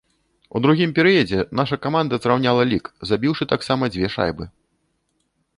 У другім перыядзе наша каманда зраўняла лік, забіўшы таксама дзве шайбы.